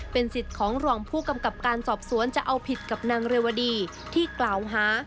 เป็นสิทธิ์ของรองผู้กำกับการสอบสวนจะเอาผิดกับนางเรวดีที่กล่าวหา